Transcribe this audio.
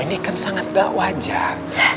ini kan sangat gak wajar